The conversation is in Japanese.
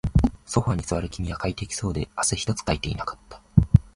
ソファーに座る君は快適そうで、汗一つかいていなかった